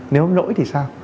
nếu lỗi thì sao